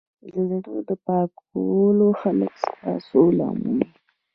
زړه د پاکو خلکو سره سوله مومي.